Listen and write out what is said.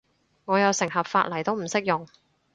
我有成盒髮泥都唔識用